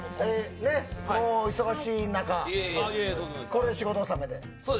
これで仕事納めで？